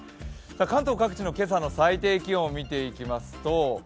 関東各地の今朝の最低気温を見ていきますと